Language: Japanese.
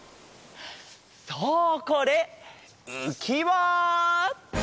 そうこれうきわ！